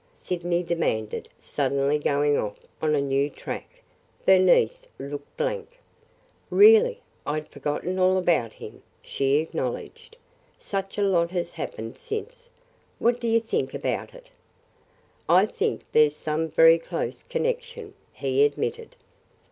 Sydney demanded, suddenly going off on a new tack. Bernice looked blank. "Really, I 'd forgotten all about him," she acknowledged. "Such a lot has happened since. What do you think about it?" "I think there 's some very close connection," he admitted.